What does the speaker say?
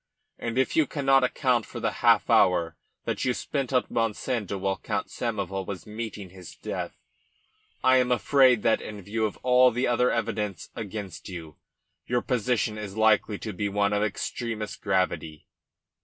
And if you cannot account for the half hour that you spent at Monsanto while Count Samoval was meeting his death, I am afraid that, in view of all the other evidences against you, your position is likely to be one of extremest gravity.